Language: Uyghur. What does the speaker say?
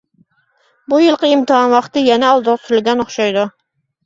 بۇ يىلقى ئىمتىھان ۋاقتى يەنە ئالدىغا سۈرۈلگەن ئوخشايدۇ.